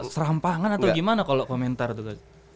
serampangan atau gimana kalau komentar tuh